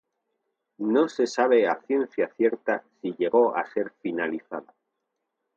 No se sabe a ciencia cierta si llegó a ser finalizada.